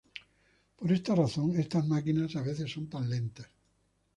Por esta razón, estas máquinas a veces son tan lentas.